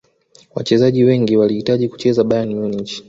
wachezaji wengi walihitaji kucheza bayern munich